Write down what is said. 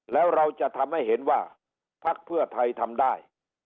แล้วเราจะทำให้เห็นว่าพักเพื่อไทยทำได้